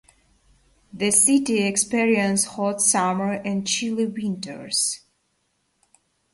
The city experiences hot summers and chilly winters.